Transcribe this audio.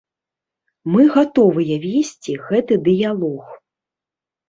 Мы гатовыя весці гэты дыялог.